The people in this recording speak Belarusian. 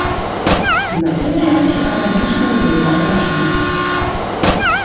Напэўна, псіхалагічна яны ў адпачынку.